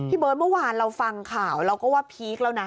เบิร์ตเมื่อวานเราฟังข่าวเราก็ว่าพีคแล้วนะ